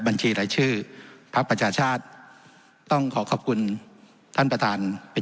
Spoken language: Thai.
บัญชีรายชื่อพักประชาชาติต้องขอขอบคุณท่านประธานเป็น